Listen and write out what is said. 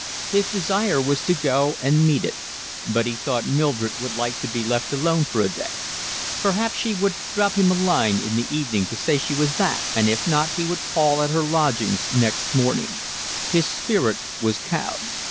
His desire was to go and meet it, but he thought Mildred would like to be left alone for a day; perhaps she would drop him a line in the evening to say she was back, and if not he would call at her lodgings next morning: his spirit was cowed.